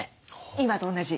今と同じ？